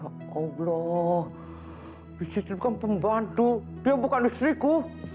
ya allah bisiti bukan pembantu dia bukan istriku